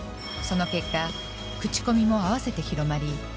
その結果口コミもあわせて広まり